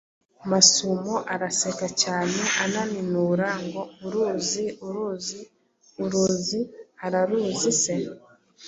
Masumo: (Aseka cyane ananinura) ngo uruziii, uruziii, uruzi uraruzi se?